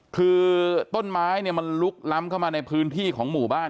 คือต้นไม้เนี่ยมันลุกล้ำเข้ามาในพื้นที่ของหมู่บ้าน